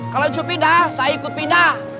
kalau itu pindah saya ikut pindah